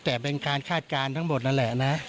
แต่เป็นการคาดการณ์ทั้งหมดนั่นแหละนะ